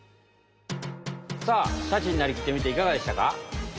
さあシャチになりきってみていかがでしたか？